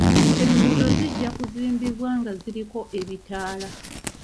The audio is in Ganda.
Enguudo zijja kuzimbibwa nga ziriko ebitaala.